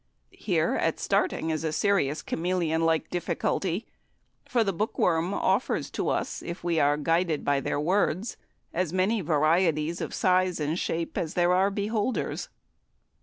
Here, at starting, is a serious chameleon like difficulty, for the bookworm offers to us, if we are guided by their words, as many varieties of size and shape as there are beholders.